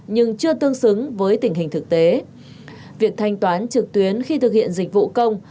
nhưng chưa tương xứng với tình hình thực tế việc thanh toán trực tuyến khi thực hiện dịch vụ công